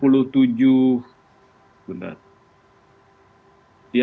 ya cukup besar lah signifikasinya